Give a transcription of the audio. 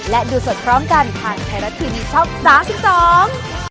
และดูสดพร้อมกันทางไทรัตท์ทีวีช่อง๓๒